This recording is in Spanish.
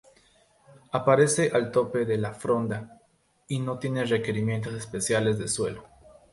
Aparece al tope de la fronda; y no tiene requerimientos especiales de suelo.